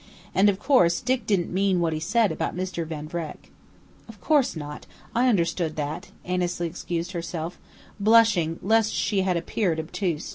And, of course Dick didn't mean what he said about Mr. Van Vreck." "Of course not. I understood that," Annesley excused herself, blushing lest she had appeared obtuse.